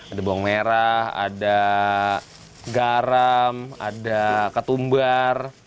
ada bawang merah ada garam ada ketumbar